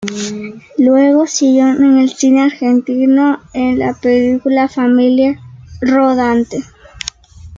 Luego siguió en el cine argentino, en la película "Familia rodante".